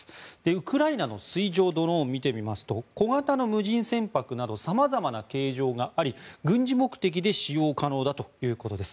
ウクライナの水上ドローンを見てみますと小型の無人船舶など様々な形状があり軍事目的で使用可能だということです。